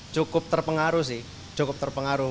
cukup terpengaruh sih cukup terpengaruh